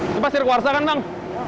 ini pasti rekuarsa kan bang